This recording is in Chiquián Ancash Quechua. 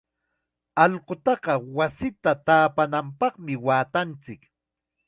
Allqutaqa wasita taapananpaqmi waatanchik.